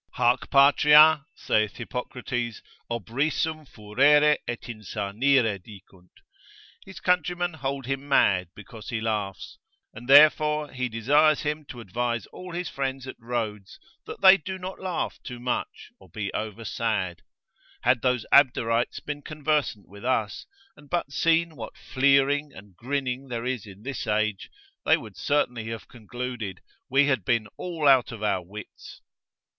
Hac Patria (saith Hippocrates) ob risum furere et insanire dicunt, his countrymen hold him mad because he laughs; and therefore he desires him to advise all his friends at Rhodes, that they do not laugh too much, or be over sad. Had those Abderites been conversant with us, and but seen what fleering and grinning there is in this age, they would certainly have concluded, we had been all out of our wits.